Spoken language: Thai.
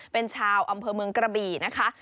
เป็นชาวอำเภอเมืองกระบี่นะคะ